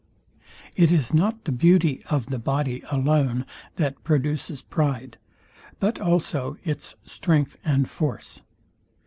It is not the beauty of the body alone that produces pride, but also its strength and force.